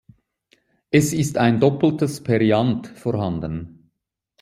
Es ist ein doppeltes Perianth vorhanden.